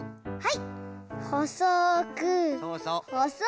はい！